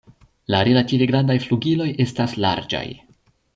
La relative grandaj flugiloj estas larĝaj.